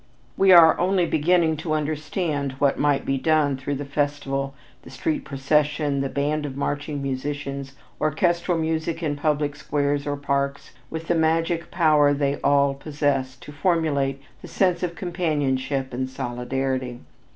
We are only beginning to understand what might be done through the festival, the street procession, the band of marching musicians, orchestral music in public squares or parks, with the magic power they all possess to formulate the sense of companionship and solidarity.